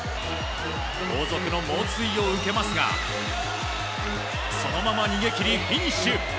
後続の猛追を受けますがそのまま逃げ切りフィニッシュ！